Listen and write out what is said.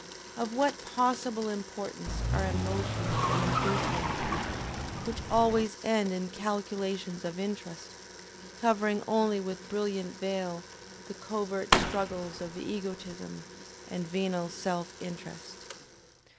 of what possible importance are emotions and enthusiasm, which always end in calculations of interest, covering only with brilliant veil the covert struggles of egotism and venal self interest?